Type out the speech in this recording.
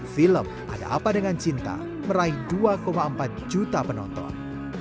film ada apa dengan cinta meraih dua empat juta penonton